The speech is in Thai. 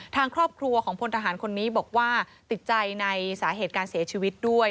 ทางครอบครัวของพลทหารคนนี้บอกว่าติดใจในสาเหตุการเสียชีวิตด้วย